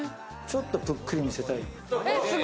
ちょっとぷっくり見せたい。